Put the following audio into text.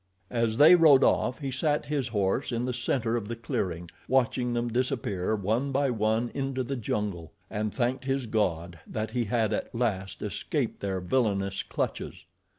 As they rode off, he sat his horse in the center of the clearing watching them disappear one by one into the jungle, and thanked his God that he had at last escaped their villainous clutches.